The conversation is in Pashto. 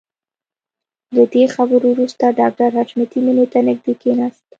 له دې خبرو وروسته ډاکټر حشمتي مينې ته نږدې کښېناست.